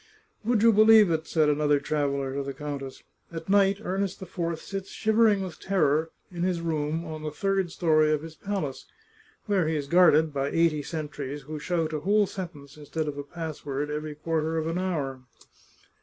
" Would you believe it," said another traveller to the countess, " at night Ernest IV sits shivering with terror in his room on the third story of his palace, where he is guarded by eighty sentries, who shout a whole sentence instead of a password every quarter of an hour.